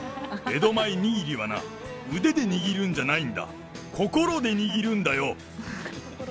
江戸前握りはな、腕で握るんじゃないんだ、志で握るんだよ。